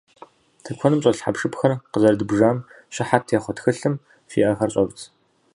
Тыкуэным щӏэлъ хьэпшыпхэр къызэрыдбжам щыхьэт техъуэ тхылъым фи ӏэхэр щӏэвдз.